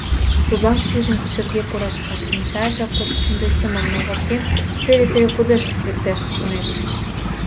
Садлан пӱйжым кочырге пуреш, а шинчаже подкинде семын оварген, теве-теве пудешт лектеш, шонет.